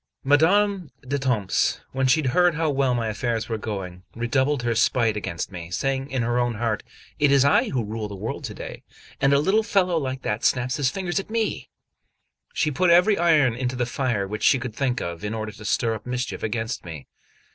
XL MADAME D'ETAMPES, when she heard how well my affairs were going, redoubled her spite against me, saying in her own heart: "It is I who rule the world to day, and a little fellow like that snaps his fingers at me! She put every iron into the fire which she could think of, in order to stir up mischief against me.